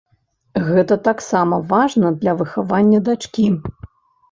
Гэта таксама важна для выхавання дачкі.